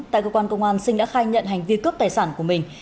tại cơ quan công an sinh đã khai nhận hành vi cướp tài sản của mình